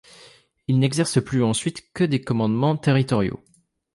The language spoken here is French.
Il n'exerce plus ensuite que des commandements territoriaux.